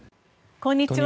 こんにちは。